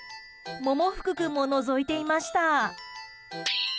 百福君ものぞいていました。